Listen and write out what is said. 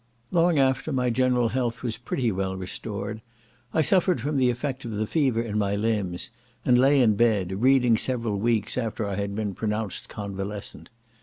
Long after my general health was pretty well restored, I suffered from the effect of the fever in my limbs, and lay in bed reading several weeks after I had been pronounced convalescent.